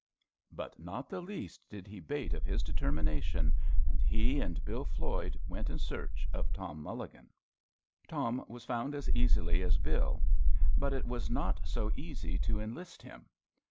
But not the least did he 'bate of his determination, and he and Bill Floyd went in search of Tom Mulligan. Tom was found as easily as Bill. But it was not so easy to enlist him.